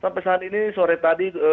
sampai saat ini sore tadi